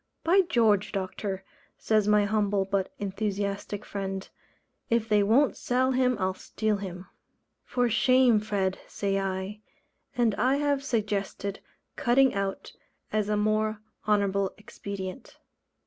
"By George, Doctor," says my humble but enthusiastic friend, "if they won't sell him I'll steal him." "For shame, Fred," say I. And I have suggested "cutting out" as a more honourable expedient.